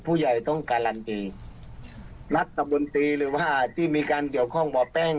ผู้ใหญ่ต้องการันตีรัฐบนตรีหรือว่าที่มีการเกี่ยวข้องบ่อแป้ง